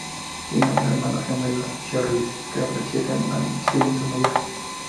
Tiene un hermano gemelo, Charlie Carver siete minutos mayor.